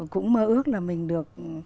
cũng mơ ước là mình được